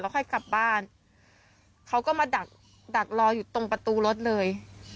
ค่อยกลับบ้านเขาก็มาดักดักรออยู่ตรงประตูรถเลย